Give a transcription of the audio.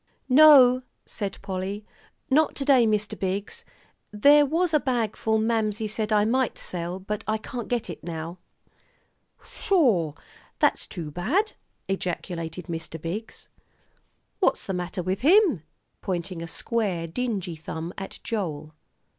"No," said Polly, "not to day, Mr. Biggs. There was a bagful Mamsie said I might sell, but I can't get it now." "Sho! that's too bad," ejaculated Mr. Biggs. "What's the matter with him?" pointing a square, dingy thumb at Joel.